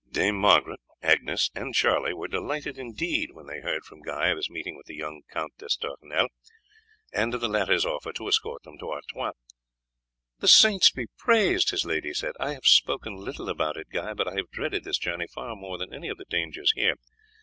Dame Margaret, Agnes, and Charlie were delighted indeed when they heard from Guy of his meeting with the young Count d'Estournel, and of the latter's offer to escort them to Artois. "The saints be praised!" his lady said. "I have spoken little about it, Guy, but I have dreaded this journey far more than any of the dangers here.